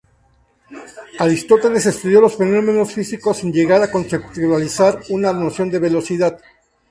Aristóteles estudió los fenómenos físicos sin llegar a conceptualizar una noción de velocidad.